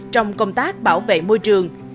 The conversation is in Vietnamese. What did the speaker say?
trong công tác bảo vệ môi trường